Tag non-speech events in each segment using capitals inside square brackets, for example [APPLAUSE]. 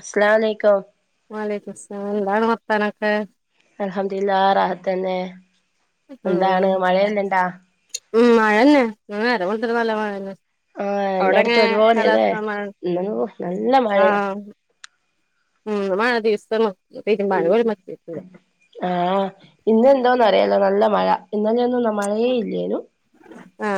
അസ്സലാഅലയ്ക്കും. വാലൈക്കുസ്സലാം എന്താണ് വർത്താനൊക്കെ അൽഹംദുലില്ലാ റാഹത്തന്നെ ഉം എന്താണ് മഴയെല്ലണ്ടോ? ഉം മഴന്നെ [UNINTELLIGIBLE] നല്ല മഴന്നെ. ആഹ് അവ്ടെങ്ങനെ എല്ലായിടത്തും ഒരുപോലെയല്ലേ കാലാവസ്ഥ മഴ ഇന്നൊന്നു നല്ല മഴയാ ആഹ് ഉം നമ്മള് ആ [UNINTELLIGIBLE] ആഹ് ഇന്ന് എന്തോന്നറിയാതെ നല്ല മഴ [UNINTELLIGIBLE] ഒന്നും ന മഴയേ ഇല്ലേനു. ആ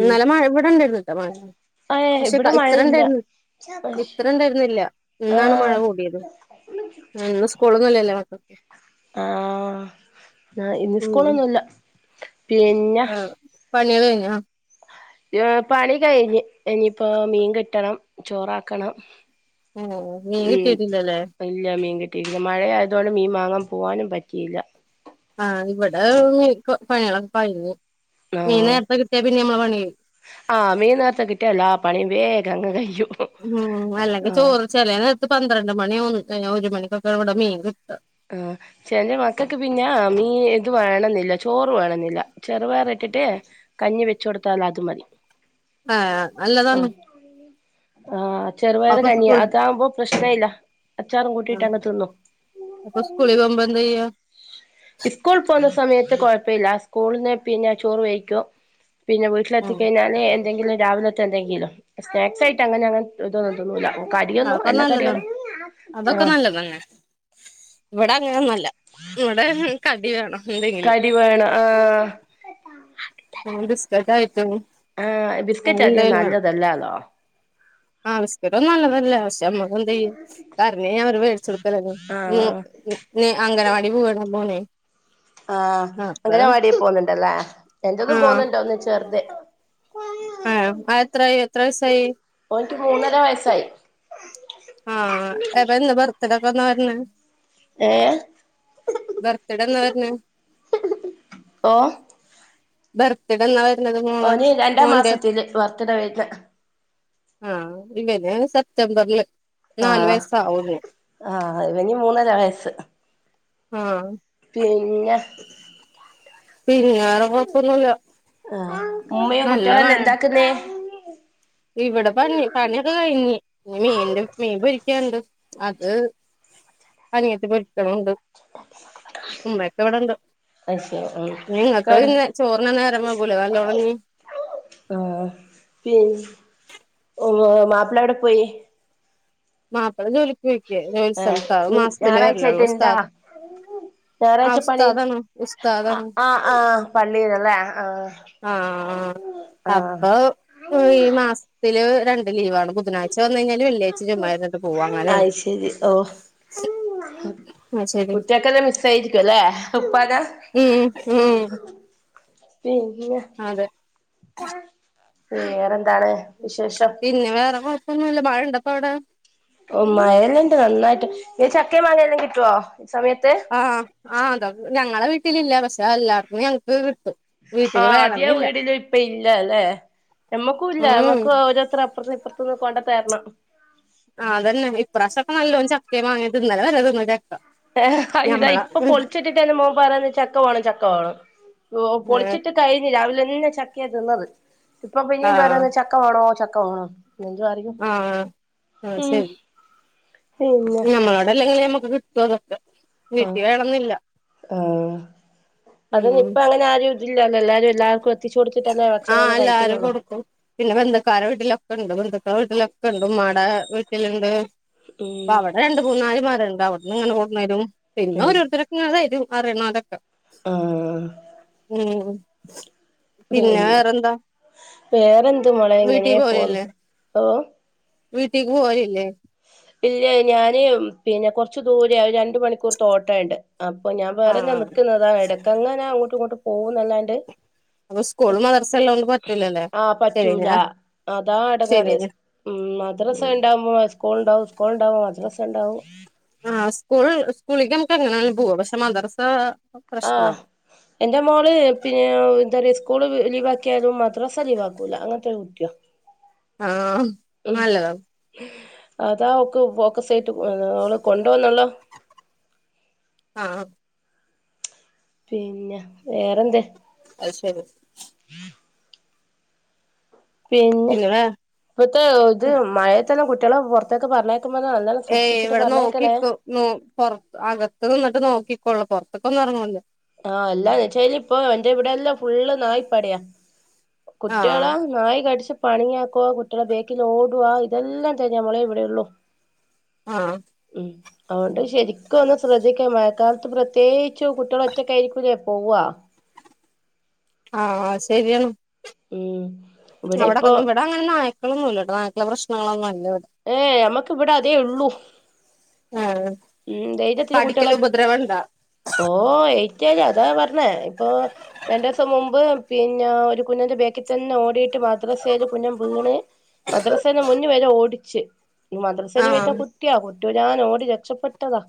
ഉം മഴ ഇവിടെണ്ടായിരുന്നട്ടോ മഴ ഏഹ് പക്ഷെ ഇവിടെ ഇത്ര മഴയില്ല ഇണ്ടായിരുന്നി ഇത്ര ഇണ്ടായിരുന്നില്ല ഇന്നാണ് മഴ ആഹ് കൂടിയത് ആ ഇന്ന് സ്കൂളൊന്നുംല്ലല്ലോ മക്ക് ആ ഇന്ന് ഉം സ്കൂളൊന്നുല്ല. പിന്ന ആഹ് പണികള് കയിഞ്ഞാ? പണി കഴിഞ്ഞ്, ഇനിയിപ്പോ മീൻ കിട്ടണം, ചോറാക്കണം. ഏഹ് മീൻ ഉം കിട്ടിയിട്ടില്ലല്ലേ ഇല്ല മീൻ കിട്ടിയില്ല പിന്നെ മഴയായതോണ്ട് മീൻ വാങ്ങാൻ പോവാനും പറ്റീല്ല. ആഹ് ഇവിടെ പണികളൊക്കെ കൈഞ്ഞു. മീൻ നേരത്തെ കിട്ടിയാൽ പിന്നെ നമ്മളെ പണികഴിം. ആ മീൻ നേരത്തെ കിട്ടിയാലാ പണി വേഗം അങ്ങ് കയ്യും. ഉം അല്ലെങ്കിൽ ചോറ് ചെലേ നേരത്ത് പന്ത്രണ്ട് മണി ഒരു മണിക്കൊക്കെയ ഇവിടെ മീൻ കിട്ട്വ. ആ ക്ഷേന്റെ മക്കക്ക് പിന്നെ മീ ഇത് വേണെന്നില്ല ചോറ് വേണെന്നില്ല ചെറുപയറ് റിട്ട് കഞ്ഞി വെച്ചു കൊടുത്താലതു മതി. ആ നല്ലതാണ്. ആ ചെറുപയറ് അപ്പൊ സ്കൂൾ കഞ്ഞിയ അതാവുമ്പ പ്രശ്നഇല്ല. അച്ചാറും കൂട്ടീട്ടങ്ങു തിന്നും. സ്‌കൂളി പോമ്പ എന്താ ചെയ്യ? അത് കുഴപ്പില്ല സ്കൂളിൽന്ന് പിന്നെ ചോറ് വയ്ക്കും. പിന്നെ ഉം വീട്ടിലെത്തിക്കഴിഞ്ഞാല് എന്തെങ്കിലും രാവിലത്തെ എന്തെങ്കിലും, സ്നാക്സ് ആയിട്ട് അങ്ങനെ അങ്ങനെ ഇതൊന്നും തിന്നൂല്ല. ആപ്പ നല്ലതാ അതൊക്കെ ആ നല്ല തന്നെ. ഇവിടങ്ങനൊന്ന്വല്ല ഇവിടെ കടി വേണം. എന്തെങ്കിലും, കടി വേണം ആ ഉം ബിസ്കറ്റ് ആയി ആ ബിസ്കറ്റധികം നല്ലതല്ലാലോ. ആവിസ്കറ്റൊന്നും നല്ലതല്ല. അവശ്യന്നപ്പ എന്ത ചെയ്യ കരഞ്ഞയിഞ്ഞ അവര് മേടിച്ചോടുക്കലന്നെ ആ മോ ന് അംഗനവാടി പോവണ മോനെ. ആ അപ്പൊ അംഗനവാടീൽ പോകുന്നുണ്ടല്ലേ എന്റതും പോന്നുണ്ട് ഒന്ന് ചെറുത്. ആ ആ എത്രായി എത്ര വയസ്സായി? ഓനിക്ക് മൂന്നര വയസ്സായി. ആ എപ്പൊ എന്ന് ബർത്ത്ഡേ ഒക്കെ എന്നാ വരണേ? ഏ ബർത്ത്ഡേന്ന് പറഞ്ഞ ഓ ബെർത്ഡെ ന്നാ വര് ന്നത് മോളെ ഓന് രണ്ടാം മോന്റെ. മാസത്തില് ബർത്ത്ഡേ വരുന്ന ആ ഇല്ല ഞാ സെപ് റ്റമ്പറില്. ആ ആ ഇവനി മൂന്നര വയസ്സ്. ആ പിന്നെ? പിന്നെ വേറെ കൊഴപ്പൊന്വില്ല. ആ ഉമ്മയും നല്ല മഴ. കുട്ടികളെല്ലാം എന്താക്കുന്നേ ഇവിടെ പണിയെ, പണിയൊക്കെ കഴിഞ്ഞ്, നി മീന്റെ മീൻ പൊരിക്കാൻണ്ട് അത് അനിയത്തി പൊരിക്കണണ്ട് ഉമ്മയൊക്കെ ഇവിടെണ്ട്. അത് ശരി ഉം നിങ്ങക്ക് കേട് പിന്നെ ചോറിന് നേരമാകുമ്പോലല്ലേ [UNINTELLIGIBLE] ആ പിൻ എ മാപ്പിളേടെ പോയി? മാപ്പിള ജോലിക്ക് പോയിരിക്ക്യ ജോലി ആ സ്ഥലത്താ അത് മാസത്തിലേ വരലൊള്ളു. ഞാറാഴ്‌ച്ച പള്ളീണ്ട്? ഉസ്താദാണ് ആ ആ പള്ളീലല്ലേ ആ ആ ആ അപ്പൊ ഈ മാസത്തില് രണ്ട് ലീവാണ് ബുധനാഴ്ച വന്നു കഴിഞ്ഞാല് വെള്ളിയാഴ്ച ചുമ്മായിരുന്നിട്ട് പോകും അങ്ങനെയണ്. സി കുട്ട്യാൾക്കെല്ലാം മിസ്സായിരിക്ക്വല്ലേ ഉപ്പാനെ? ഉം ഉം ഉം പിന്നെ അതെ വേറെന്താ പിന്നെ വേറെ കൊഴപ്പൊന്നുമില്ല മഴയുണ്ടപ്പ അവിടെ ഓ മഴെല്ലാം ഉണ്ട് നന്നായിട്ട് ഇ ചക്ക മാങ്ങെല്ലാം കിട്ടുവോ ഈ സമയത്ത് ആഹ ആ് അതോ ഞങ്ങളെ വീട്ടിലില്ല പക്ഷെ എല്ലാടത് ഞങ്ങക്ക് കിട്ടും വീട്ടില് ആഹ ആദ്യ വേണംന്നില്ല വീടിലും ഇപ്പ ഇല്ല ഇല്ല അല്ലേ നമ്മക്കും ഇല്ല ഉം നമ്മക്ക് ഓരോരുത്ത അപ്പുറത്തും ഇപ്പുറത്തന്ന് കൊണ്ട തരണം ആഹ്തന്നെ ഇപ്രാവശ്യൊക്കെ നല്ലോം ചക്കയും മാങ്ങേ തിന്നല വല്ല തിന്ന ച ഇതാ ഇപ്പൊ പൊളിച്ചിട്ടിട്ട്ന്റെ മോൻ പറയയാന്ന് ചക്ക വേണം ചക്ക വേണം ഓ പൊളിച്ചിട്ട് കഴിഞ്ഞഞ് രാവിലെ പിന്നെ ചക്കയ തിന്നത് ഇപ്പൊ ആഹ് പിന്നെയും വേണോന്ന് ചക്കമാേണോ ചക്കമാണോ ആഹ് [UNINTELLIGIBLE] ഉം പിന്നെ നമ്മളോട അല്ലെങ്കിലും നമ്മക്ക് കിട്ടും അതൊക്കെ വീട്ടിൽ വേണംന്നില്ല ആ അതന്ന ഉം ഇപ്പ അങ്ങനെ ആരും ഇതില്ലല്ലോ എല്ലാരും എല്ലാക്കും കൊടുത്തില്ല ആ എല്ലാരും കൊടുക്കും പിന്നെ ബന്ധുക്കരുടെ വീട്ടിലൊക്കെ ഇണ്ട് ബന്ധുക്കള വീട്ടിലൊക്കെ ഇണ്ട് ഉമ്മാ ടെ വീട് ട്ടിലുണ്ട് അപ്പ അവിടെ രണ്ട് മൂന്നാലിമാരണ്ട് അവിടുന്ന് ഇങ്ങനെ കുണ്ട് വരും പിന്നെ ഓരുത്തരക്ക തരും അറിനോലാകെ അറിയണം ആ പിന്നെ വേറെന്ത് മോളേ വീട്ടിൽ എങ്ങനെയാ പോന്ന പോവലില്ലേ ഓ വീട്ടിക്ക് പോയില്ലേ ഇല്ല ഞാന് പിന്നെ കൊറച്ചു ദൂരയാ രണ്ട് മണിക്കൂർ ഓട്ടണ്ട് അപ്പൊ ഞാൻ വറെ ഞമ്മക്ക് ആഹ് നിക്കക്കുന്നതാ ഇടക്ക എങ്ങനാ അങ്ങോട്ടും ഇങ്ങോട്ട് പോകുന്നല്ലാണ്ട് അപ്പൊ സ്കൂള് മദ്രസ ഉള്ളോണ്ട് പറ്റൂലല്ലേ ആ ശരി പറ്റൂല ഞാ അതാ ശരി അടങ്ങേറ് ഞാ ഉം മദ്രസ ഇണ്ടാവുമോ സ്കൂൾ ഇണ്ടാവും സ്കൂൾ ഉണ്ടാവോ മദ്രാസ ഇണ്ടാവും ആ സ്കൂൾ സ്കൂളിലക്ക് നമുക്ക് എങ്ങനാ പോവ പക്ഷെ മദർസ ആ എന്റെ മോള് പിന്നെ എന്താ പറയ യിസ് കൂള് ലീ ലീവാക്കിയായാലും മാത്രം മദ്രസ ലീവാക്കൂല അങ്ങനത്തെരു കുട്ടിയ ആ നല്ലത അതാ അവക്ക് ഫോക്കസ് ആയിട്ട് [UNINTELLIGIBLE] അവള് കൊണ്ടോന്നല്ലോ ആഹ് പിന്നെ വേറെന്ത അത്ശരി പിന്നെ ഇപ്പത്തെ ഇത് മഴയ തന്നെ കുട്ടികളെ പുറത്തേക്കെ പറഞ്ഞയ ഏയ് ഇവിടെ നോക്കിക്കും ന പുറത്ത് അകത്തു നിന്നിട്ട് നോക്ക ള്ളൂ പുറത്തൊക്കോന്നും ഇറങ്ങില്ല ആ എല്ലാന്ന്ച്ചല് ഇപ്പോ എന്റെ ഇവിടെല്ലാം ഫുള്ള് നായിപ്പടയാ ആഹ് കുട്ടികളാ നായി കടിച്ച പണിയാക്കുവ കുട്ടികള ബേക്കിൽ ഓടുവാ ഇതെല്ലാം തഞ്ഞ മളേ ഇവിടെയള്ളു ആ അതുകൊണ്ട് ശരിക്കും ഒന്ന് ശ്രദ്ധിക്കാ മഴക്കാലത്ത് പ്രത്യേകിച്ച് കുട്ടികള ഒറ്റയ്ക്ക കെ പോവ ആഹ് ശരിയാണ് ഉം ഇവിടെ ഇപ്പൊ അവിടെങ്ങ ഇവിടെ അങ്ങനെ നായക്കളൊന്നും ഇല്ലട്ടോ നായക്കളെ പ്രശ്നങ്ങളൊന്നുമില്ല ഏയ് നമ്മക്ക് ഇവിടെ അതേ ഉള്ളൂ ആഹ് ഉം ദയിരത്തിൽ കുട്ടികളെ കടിക്കല് ഉപദ്രവണ്ടാ ഓ ഏറ്റ അതാ പറഞ്ഞേ ഒ രണ്ട ദിവസം മുമ്പ് പിന്നെ ഒരു കുഞ്ഞിന്റെ ബേക്കിൽ തന്നെ ഓടിട്ട് മദ്രസയില് കുഞ്ഞു വീ- ണ് മദ്രാസന്നെ മുന്നെ വരെ ഓടിച്ച് മദ്രസയിൽ പോയിട്ട ആഹ് കുട്ടിയാ കുട്ടി ഞാൻ ഓടി രക്ഷപ്പെട്ടതാ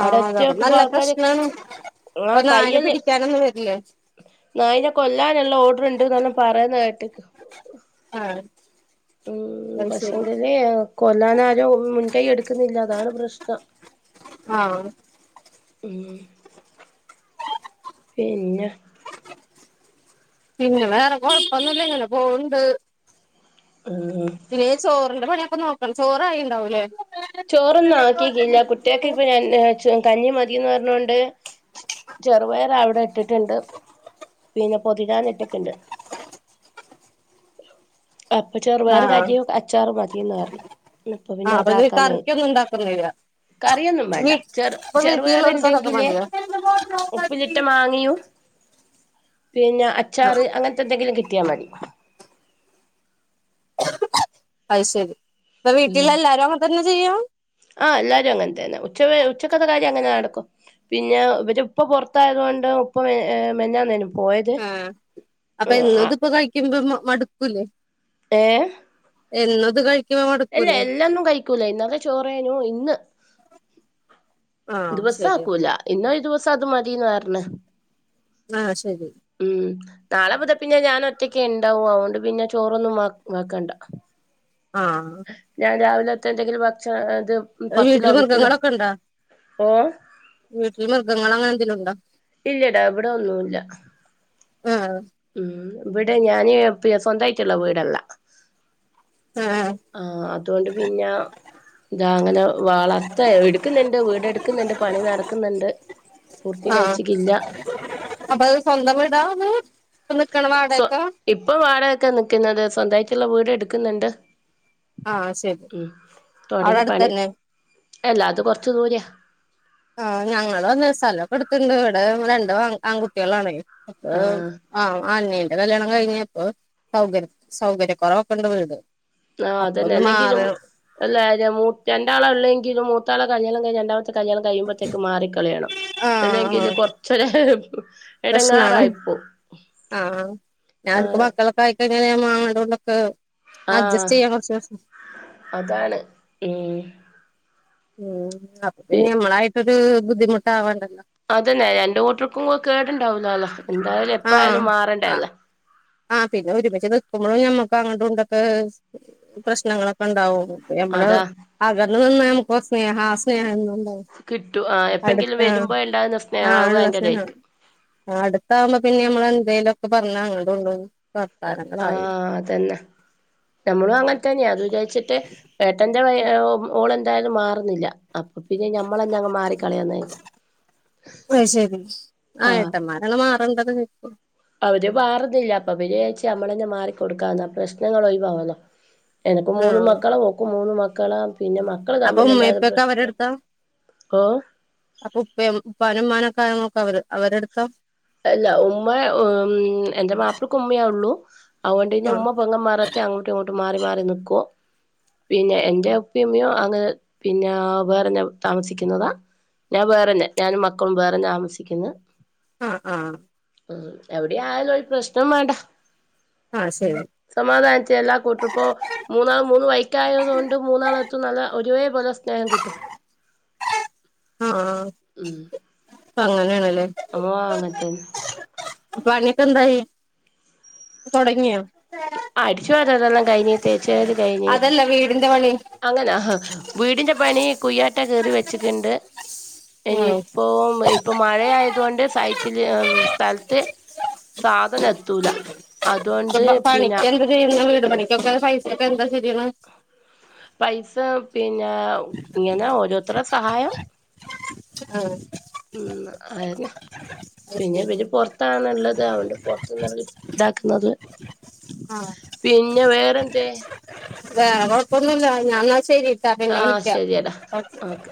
ആ അവിടെ എത്തി അതപ്പ നോക്കുമ്പോ നല്ല ആൾക്കാര് പ്രശ്നാണ് ആ അപ്പൊ നായെ കയ്യല് പിടിക്കാനൊന്നും വരില്ലേ നായിനെ കൊല്ലാനുള്ള ഓർഡർ ഇണ്ടെന്ന് പറയുന്ന കേട്ട് ആഹ് ഉം അത് ശരി പക്ഷെങ്കിൽ കൊല്ലാനാരും മുൻകൈ എടുക്കുന്നില്ല അതാണ് പ്രശ്നം ആഹ് മ് പിന്നെ പിന്നെ വേറെ കൊഴപ്പൊന്നില്ല ങ്ങനെ പോ ണ്ട് ഉം പിന്നെ ചോറിന്റെ പണിയൊക്കെ നോക്കണം ചോറയി ഇണ്ടാവുലെ ചോറൊന്നും ആക്കിക്കില്ല കുട്ടിയാക്ക് ഇപ്പ ഞാൻ കഞ്ഞി മതി ന്ന് പറഞ്ഞോണ്ട് ചെറുപയർ അവ്ടെ ഇട്ട്ട്ട് ഇണ്ട് പിന്നെ പൊതിരാൻ ഇട്ട്ക്ക്ണ്ട് അപ്പ ചെറുപയർ ആഹ് കഞ്ഞിയും അച്ചാറും മതിന്ന് പർണ് ന്നാ ഇപ്പ പിന്നെ ആഹ് അപ്പൊ ഇത് അതാക്കാന്ന് കെര് കറിക്കൊന്നും ഉണ്ടാക്കുന്നില്ല കറിയൊന്നും വീ വേണ്ട ചെറു ഇപ്പൊ ചെറു പയർ വീട്ടിലുള്ളവർക്ക് അതൊക്കെ ഇണ്ടെങ്കിൽ മതിയോ ഉപ്പിലിട്ട മാങ്ങയും പിന്നെ അച്ചാറ് അങ്ങൻത്തെ എന്തെങ്കിലും കിട്ടിയാ മതി അയ് ശരി ഇപ്പ വീട്ടിൽ എല്ലാരും അങ്ങൻ തന്നെ ചെയ്യാ ആഹ് എല്ലാരും അങ്ങനെ തന്നെ ഉച്ച വരെ ഉച്ചക്കത്തെ കാര്യം അങ്ങനെ നടക്കും പിന്നെ ഇവരു ഉപ്പാ പൊറത്തായതോണ്ട് ഉപ്പ മെൻ ഏ മെനഞ്ഞാന്നെനു പോ ആ അപ്പ എന്നും ഇത് ഇപ്പ കഴിക്കുമ്പം മടുക്കൂലെ ഏ എന്നും ഇത് കഴി അല്ല എല്ലാം ഒന്നും കഴിക്കൂലാ ഇന്നലെ ചോറെയ്നു ഇന്ന് ആഹ് ദിവ്സം ശരിയാണ് ആക്കൂലാ ഇന്നൊരു ദിവസം അത് മതിന്ന് പരൺ ആ ശരി നാളെ മുതൽ പിന്നെ ഞാൻ ഒറ്റക് ഇണ്ടാവു അയോണ്ട് പിന്നെ ചോറൊന്നും വെ വെക്കണ്ട ആഹ് ഞാൻ രാവിലെത്തെ എന്തെങ്കിലും ഭക്ഷണം ഇത് വീട്ടിൽ പത്തിലോ കിത്തിലോ മൃഗങ്ങളൊക്കെ ഇണ്ടോ ഓ വീട്ടിൽ മൃഗങ്ങൾ അങ്ങനെ എന്തെലും ഇണ്ടോ ഇല്ലടാ ഇവടെ ഒന്നുല്ലാ ആഹ് ഉം ഇവടെ ഞാന് സ്വന്തയിട്ട് ഇള്ള വീട് അല്ല ആഹ് ആ അതുകൊണ്ട് പിന്നാ ഇന്താ അങ്ങനെ വളർത്താ ഇട്ക്ക്ന്ന്ണ്ട് വീട് എട്ക്ക്ന്ന്ണ്ട് പണി നടക്ക്ന്ന്ണ്ട് ആ അപ്പ അയ് സ്വന്തം വീടാണ് സൊ ഇപ്പൊ വാടകക്കാ നിക്ക്ന്നത് സ്വന്തായിട്ടുള്ള വീട് എട്ക്ക്ന്ന്ണ്ട് ആഹ് ശരി ഉം അവിടെ തൊടങ്ങി പണി അടുത്തന്നെ അല്ല അത് കൊറച്ച് ദൂരെയാ ആ ഞങ്ങളും അതെ സ്ഥലൊക്കെ ഇട്ത്ത്ണ്ട് ഇവടെ രണ്ട് ആൺ ആൺകുട്ടെളാണെ അപ്പ ഏ ആഹ് ആ അനിയന്റെ കല്യാണം കഴിഞ്ഞ് അപ്പ സൗകര്യ സൗകര്യ കൊറവോക്കെ ഇണ്ട്‌ വീട് ആ അപ്പൊ അതെന്നെ ഒന്ന് അല്ലെങ്കിലും മാറി എല്ലാരെ മൂ രണ്ടാൾ ഒള്ളെങ്കിലും മൂത്താളെ കല്യാണം കഴിഞ്ഞാ രണ്ടാമ കല്യാണം കഴിയുമ്പഴത്തേക്കും മാറിക്കളയണം ആ അല്ലെങ്കിൽ കൊർച്ചോരു എടങ്ങേറായിപ്പോവും ഞ ഇപ്പ മക്കളൊക്കെ ആയി കഴിഞ്ഞാൽ ഞാമ അങ്ങട്ടും ഇങ്ങട്ടും ഒക്കെ ആ അതാണ് ഉം ഉം അപ്പ പി പിന്നെ നമ്മളായിട്ടൊര് ബുദ്ധിമുട്ടാവണ്ട അതെന്നെ രണ്ട് കൂട്ടർക്കും കേട് ഇണ്ടാവൂലാലോ എന്തായാലും ആ എപ്പ ആയാലും മാറണ്ടെ ആ അല്ലേ ആ പിന്നെ ഒരുമിച്ച് നിക്കുമ്പളും ഞമ്മക്ക് അങ്ങട്ടും ഇങ്ങട്ടും ഒക്കെ പ്രശ്നങ്ങളൊക്കെ ഇണ്ടാവും പ്പ ഞമ്മൾ അതാ അകന്ന് നിന്നാ നമക്ക് കൊർച്ച് സ്നേഹാ ആ സ്നേഹം എന്നും അയ് ഇണ്ടാവും കിട്ടും ആ എപ്പെങ്കിലും അട്ത്ത് വരുമ്പോ ഉണ്ടാകുന്ന ആ സ്നേഹം അത് ഇള്ള സ്നേഹം ഭയങ്കരായിരിക്കും ആ അടുത്താവുമ്പോ പിന്നെ ഞമ്മള് എന്തേലും ഒക്കെ പർണ് അങ്ങട്ടും ഇങ്ങട്ടും അ ആ അതെന്നെ ഞമ്മളും അങ്ങൻ തന്നെയാ അത് ച്ചിട്ട് ഏട്ടന്റെ വൈ ഓൾ എന്തായാലും മാറുന്നില്ല അപ്പ പിന്നെ ഞമ്മളെന്നെ അങ്ങ് മാറിക്കളയാന്ന് കരിതി ആ ഏട്ടന്മാരാണ് മാറണ്ടത് ഇപ്പോ അവര് മാറുന്നില്ല അപ്പ പിന്നെ വിചാര്ച്ച് ഞമ്മളെന്നെ മാറിക്കൊട്ക്കാന്ന് ആ പ്രശ്നങ്ങൾ ഒഴിവാവൊല്ലോ എനക്ക് മൂന്ന് മക്കളാ ഓക്കും മൂന്ന് മക്കളാ പിന്നെ മക്കള് അപ്പ ഉമ്മേം തമ്മിലുണ്ടായത് ഉപ്പയൊക്കെ അവരെ പ്രശ്നം അടുത്താ ഓഹ് അപ്പ ഉപ്പേ ഉപ്പാനി ഉമ്മാനൊ ക്കെ ആരാ നോക്കാ അവര് അവരെട്ത്താ അല്ല ഉമ്മ മ്മ് എൻ്റെ മാപ്പളക്ക് ഉമ്മയൊള്ളു അതുകൊണ്ട് പിന്നെ ആഹ് ഉമ്മ പെ ങ്ങമാരെട്ത്തെ അങ്ങോട്ടും ഇങ്ങോട്ടും മാറി മാറി നിക്കും പിന്നെ എന്റെ ഉപ്പിംഉമ്മിയൂം അങ്ങ് പിന്നാ വേറെ ഞ താമസിക്കുന്നതാ ഞാൻ വേറെന്നെ ഞാൻ മക്കളും വേറെ താമസിക്കുന്ന് ആ ആ മ്മ് എവിടെ ആയാലും ഒര് പ്രശ്നം വേണ്ട ആ ശരി സമാധാനത്തി എല്ലാ കൂട്ടരുപ്പോ മൂന്നാൾ മൂന്ന് വൈക്കായത് കൊണ്ട് മൂന്നാളത്തും നല്ല ഒരുവേ പോലെ സ്നേഹം കിട്ടും മ്മ് ഇപ്പങ്ങനേണ്ല്ലേ ഓ അങ്ങൻതന്നെ പണിയൊക്കെ എന്തായി തൊടങ്ങിയാ അടിച്ചുവാരെലെല്ലാം കഴഞ് തേച്ച് വാരല് കൈഞ് അതല്ല വീടിന്റെ പണി അങ്ങനാ വീടിന്റെ പണി കുയ്യാറ്റാ ട്ട കീറി വെച്ചിട്ട്ണ്ട് ഉം ഇനിയിപ്പോ ഇപ്പൊ മഴയായതുകൊണ്ട് സൈറ്റില് സ്ഥലത്ത് സാധനം എത്തൂല അതുകൊണ്ട് അപ്പ പിന്നെ പണിക്ക് എന്താ ചെയ്യുണെ വീട് പണിക്കൊക്കെ പൈസൊക്കെ എന്താ ചെയ്യണെ പൈസ പിന്നാ ഇങ്ങനെ ഓരോരുത്തരെ സഹായം ആഹ് മ്മ് അതനെ അത് പിന്നെ ശരി ഇവര് പൊർത്താണ് ഒള്ളത് അവോണ്ട് പൊർത്ത്ന്നാവര് ഇതാക്കുന്നത് ആഹ് പിന്നെ വേറെന്തേ വേറെ കൊഴപ്പൊന്നുല്ല ഞൻ ന്നാ ശരിട്ടാ പിന്നെ ആഹ് വിളിക്കാ ശരിയടാ ഓകെ ഓക്കെ